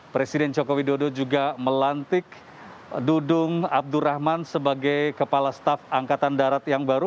presiden joko widodo juga melantik dudung abdurrahman sebagai kepala staf angkatan darat yang baru